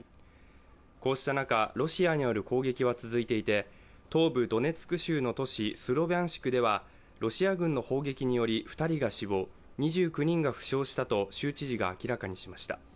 こうした中ロシアによる攻撃は続いていて東部ドネツク州の都市スロビャンシクではロシア軍の砲撃により２人が死亡、２９人が死傷したと州知事が明らかにしました。